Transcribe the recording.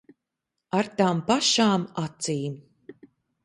Ar tām pašām acīm.